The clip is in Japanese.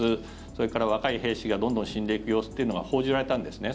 それから、若い兵士がどんどん死んでいく様子というのが報じられたんですね。